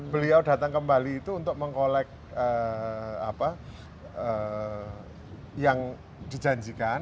beliau datang kembali itu untuk mengkolek yang dijanjikan